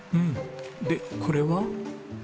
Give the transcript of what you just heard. でこれは？